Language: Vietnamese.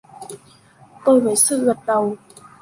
Tôi với Sự gật đầu